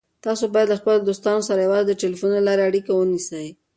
تاسو باید له خپلو دوستانو سره یوازې د ټلیفون له لارې اړیکه ونیسئ.